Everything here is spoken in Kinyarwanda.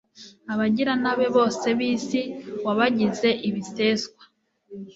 Abagiranabi bose b’isi wabagize ibiseswa